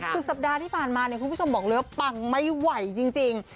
คือสัปดาห์ที่ผ่านมาเนี่ยคุณผู้ชมบอกเลยว่าปังไม่ไหวจริง